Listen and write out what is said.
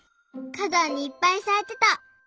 かだんにいっぱいさいてた。